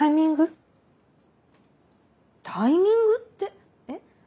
タイミングってえっ。